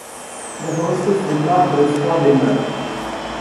The hostess did not dress for dinner.